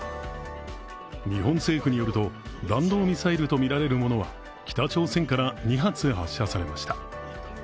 日本政府によると弾道ミサイルとみられるものは北朝鮮から２発、発射されました。